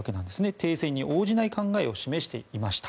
停戦に応じない考えを示していました。